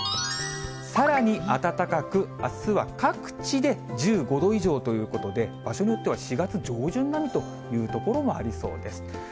さらに暖かく、あすは各地で１５度以上ということで、場所によっては４月上旬並みという所もありそうです。